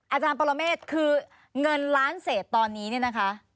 อาจารย์ปรเมฆคือเงินล้านเศษตอนนี้เนี่ยนะคะ